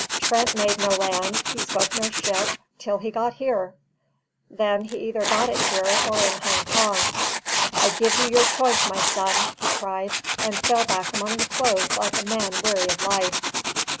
Trent made no land, he spoke no ship, till he got here. Then he either got it here or in Hong Kong. I give you your choice, my son!" he cried, and fell back among the clothes like a man weary of life.